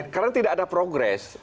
karena tidak ada progres